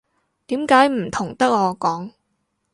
點解唔同得我講